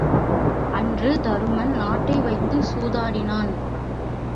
அன்று தருமன் நாட்டை வைத்துச் சூதாடினான்.